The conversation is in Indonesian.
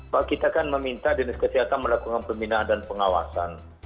pak kita kan meminta dinas kesehatan melakukan pembinaan dan pengawasan